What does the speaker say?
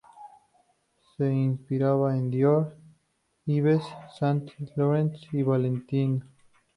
Se inspiraba en Dior, Yves Saint Laurent y Valentino.